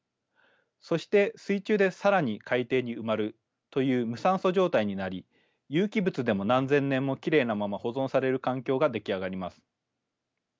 そして水中で更に海底に埋まるという無酸素状態になり有機物でも何千年もきれいなまま保存される環境が出来上がります。